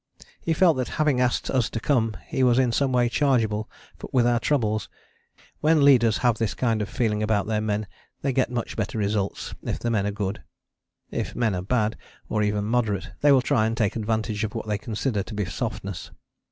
He felt that having asked us to come he was in some way chargeable with our troubles. When leaders have this kind of feeling about their men they get much better results, if the men are good: if men are bad or even moderate they will try and take advantage of what they consider to be softness.